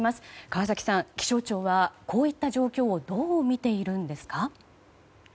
川崎さん、気象庁はこういった状況をどう見ているんですか？